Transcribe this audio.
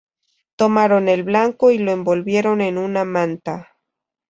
Tomaron el blanco y lo envolvieron en una manta.